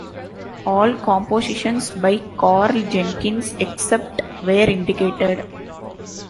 All compositions by Karl Jenkins except where indicated.